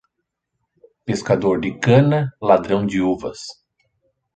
Pescador de cana, ladrão de uvas.